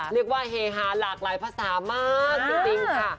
เรียกว่าเฮฮ่าหลากหลายภาษามากจริงค่ะ